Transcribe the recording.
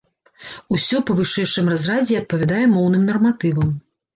Усё па вышэйшым разрадзе і адпавядае моўным нарматывам.